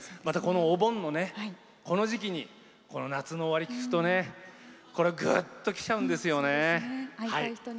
お盆の、この時期に「夏の終わり」を聴くとぐっときちゃうんですよね。